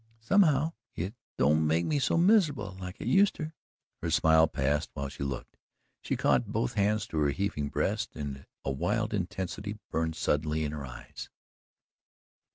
"Somehow it don't make me so miserable, like it useter." Her smile passed while she looked, she caught both hands to her heaving breast and a wild intensity burned suddenly in her eyes.